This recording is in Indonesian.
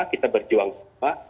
kita berjuang semua